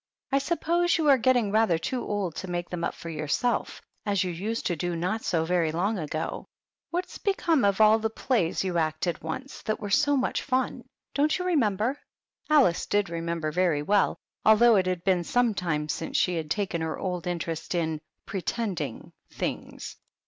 I suppose you are getting rather too old to make them up for your self, as you used to do not so very long ago. What has become of all the plays you acted once, that were so much fun ? Don't you remember ?" Alice did remember very well, although it had been some time since she had taken her old in terest in "pretending" things.